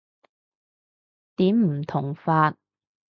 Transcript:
點唔同法？